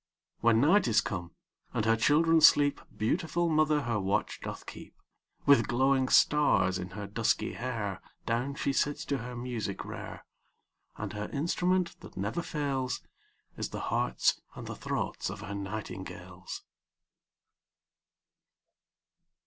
When night is come, and her children sleep, Beautiful mother her watch doth keep; With glowing stars in her dusky hair Down she sits to her music rare; And her instrument that never fails, Is the hearts and the throats of her nightingales.